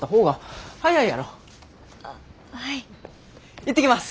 行ってきます。